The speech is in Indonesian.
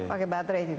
pakai baterai gitu